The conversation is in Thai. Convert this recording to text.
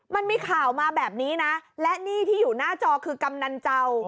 มันมีข่าวมาแบบนี้นะและนี่ที่อยู่หน้าจอคือกำนันเจ้า